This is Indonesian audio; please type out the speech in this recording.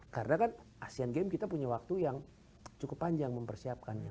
karena kan asean games kita punya waktu yang cukup panjang mempersiapkannya